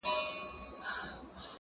یوه خولگۍ خو مسته ـ راته جناب راکه ـ